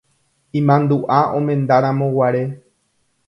Imandu'a omendaramoguare.